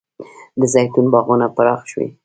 د زیتون باغونه پراخ شوي؟